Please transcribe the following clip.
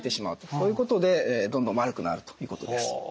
そういうことでどんどん悪くなるということです。